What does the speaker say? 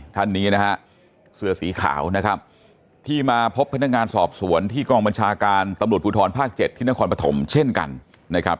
ท่านนี้นะฮะเสื้อสีขาวนะครับที่มาพบพนักงานสอบสวนที่กองบัญชาการตำรวจภูทรภาค๗ที่นครปฐมเช่นกันนะครับ